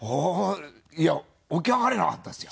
いや起き上がれなかったですよ。